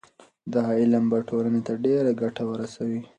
دا علم به ټولنې ته ډېره ګټه ورسوي.